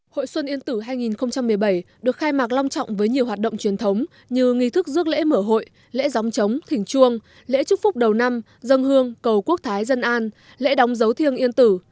hội xuân yên tử hai nghìn một mươi bảy được khai mạc long trọng với nhiều hoạt động truyền thống như nghi thức rước lễ mở hội lễ gióng trống thỉnh chuông lễ chúc phúc đầu năm dân hương cầu quốc thái dân an lễ đóng dấu thiêng yên tử